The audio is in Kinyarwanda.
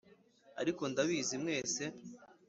ariko ndabizi mwese.